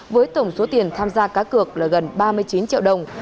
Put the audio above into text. với tổng số tiền tham gia cá cược là gần ba mươi chín triệu đồng